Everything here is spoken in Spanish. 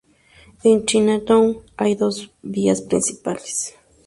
En Chinatown, hay dos vías principales.